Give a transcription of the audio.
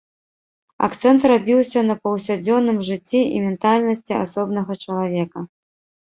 Акцэнт рабіўся на паўсядзённым жыцці і ментальнасці асобнага чалавека.